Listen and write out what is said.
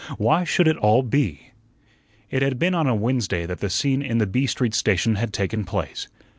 Why should it all be? It had been on a Wednesday that the scene in the B Street station had taken place.